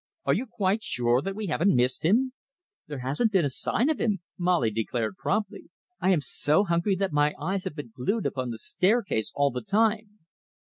Are you quite sure that we haven't missed him?" "There hasn't been a sign of him," Molly declared promptly. "I am so hungry that my eyes have been glued upon the staircase all the time."